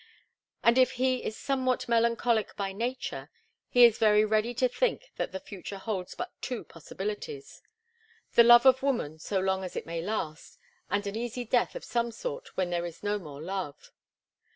And if he is somewhat melancholic by nature, he is very ready to think that the future holds but two possibilities, the love of woman so long as it may last, and an easy death of some sort when there is no more love.